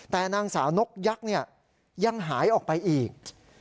แต่นางสาวนกยักษ์ยังหายออกไปอีก